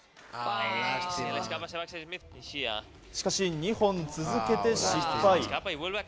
しかし２本続けて失敗。